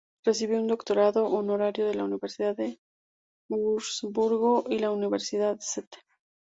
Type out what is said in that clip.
Recibió un doctorado honorario de la Universidad de Wurzburgo y la Universidad St.